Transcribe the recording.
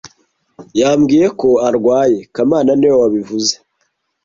Yambwiye ko arwaye kamana niwe wabivuze